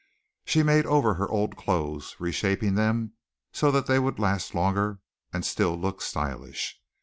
She made over her old clothes, reshaping them so that they would last longer and still look stylish.